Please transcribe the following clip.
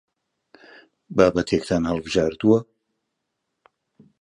بابەتێکتان هەڵبژاردووە؟